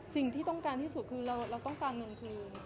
สิ่งที่ต้องการที่สุดคือเราต้องการเงินคืน